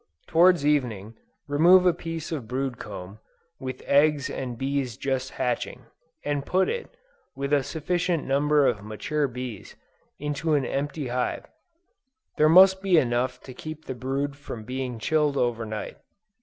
Towards evening, remove a piece of brood comb, with eggs and bees just hatching, and put it, with a sufficient number of mature bees, into an empty hive; there must be enough to keep the brood from being chilled over night.